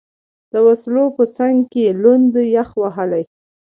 د وسلو په څنګ کې، لوند، یخ وهلی.